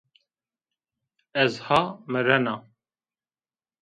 Ez ha mirena